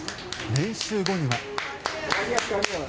練習後には。